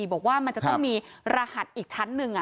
บอกว่ามันจะต้องมีรหัสอีกชั้นหนึ่ง